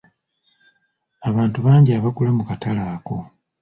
Abantu bangi abagula mu katale ako.